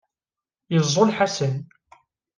Yeẓẓul Ḥasan.